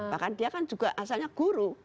bahkan dia kan juga asalnya guru